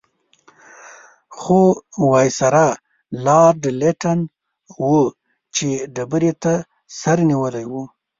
خو وایسرا لارډ لیټن وچې ډبرې ته سر نیولی وو.